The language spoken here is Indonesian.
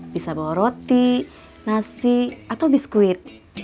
bisa bawa roti nasi atau biskuit